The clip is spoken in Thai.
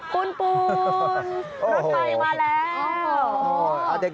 คุณปูนรถไฟมาแล้ว